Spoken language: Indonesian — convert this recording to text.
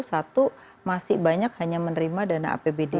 satu masih banyak hanya menerima dana apbd